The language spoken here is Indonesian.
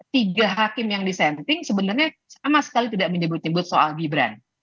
tiga hakim yang disenting sebenarnya sama sekali tidak menyebut nyebut soal gibran